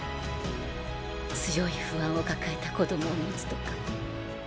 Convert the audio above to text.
強い不安を抱えた子供を持つとか。